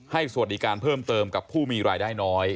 สวัสดีการเพิ่มเติมกับผู้มีรายได้น้อย